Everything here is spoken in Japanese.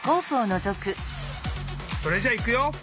それじゃいくよ！